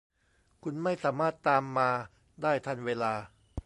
คุณไม่สามารถตามมาได้ทันเวลา